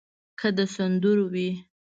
که د سندرو وي.